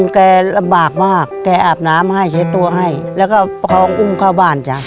แกลำบากมากแกอาบน้ำให้ใช้ตัวให้แล้วก็ประคองอุ้มเข้าบ้านจ้ะ